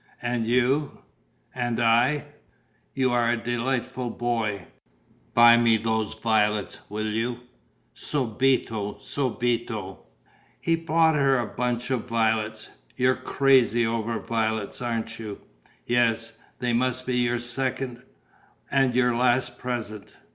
And you ..." "And I?" "You are a delightful boy. Buy me those violets, will you?" "Subito, subito!" He bought her the bunch of violets: "You're crazy over violets, aren't you?" "Yes. This must be your second ... and your last present.